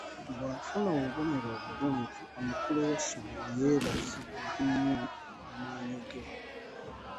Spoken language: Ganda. Bw'afuna obubonero obulungi, omukulu w'essomero yeebazibwa nnyo olw'amaanyi ge.